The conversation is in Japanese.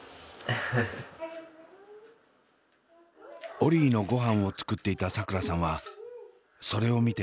オリィのごはんを作っていたさくらさんはそれを見て。